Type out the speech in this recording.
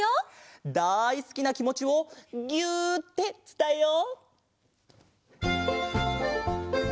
だいすきなきもちをぎゅーってつたえよう！